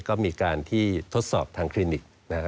ก็มีการที่ทดสอบทางคลินิก